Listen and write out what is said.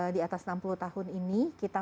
di atas enam puluh tahun ini kita